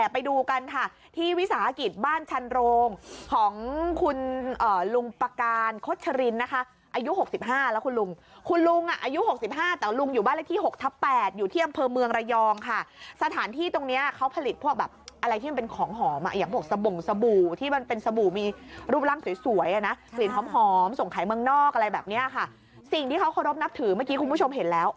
พญานาคเหมือนพญานาคใช่ไหมค่ะ